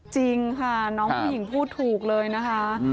จริงค่ะน้องผู้หญิงพูดถูกเลยนะคะ